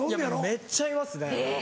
めっちゃいますね。